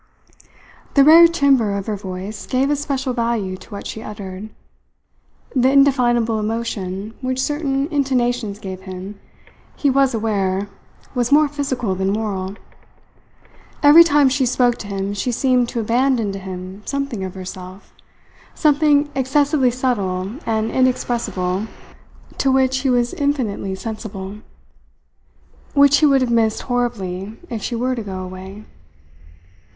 The rare timbre of her voice gave a special value to what she uttered. The indefinable emotion which certain intonations gave him, he was aware, was more physical than moral. Every time she spoke to him she seemed to abandon to him something of herself something excessively subtle and inexpressible, to which he was infinitely sensible, which he would have missed horribly if she were to go away.